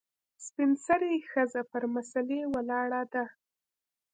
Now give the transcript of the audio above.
سپین سرې ښځه پر مسلې ولاړه ده .